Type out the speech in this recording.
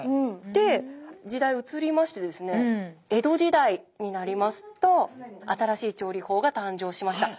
で時代移りましてですね江戸時代になりますと新しい調理法が誕生しました。